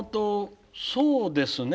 そうですね。